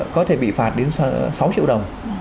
có thể bị phạt đến sáu triệu đồng